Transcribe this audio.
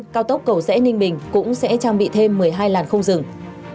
ngoài ba tuyến trên cao tốc cầu rẽ ninh bình cũng sẽ trang bị thêm một mươi hai làn không dừng